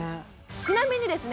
ちなみにですね